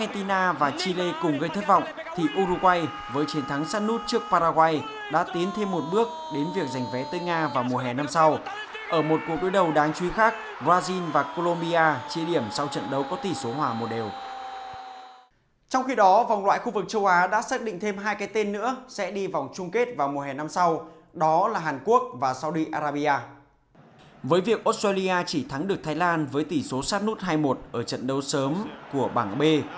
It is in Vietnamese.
thái lan với tỷ số sát nút hai một ở trận đấu sớm của bảng b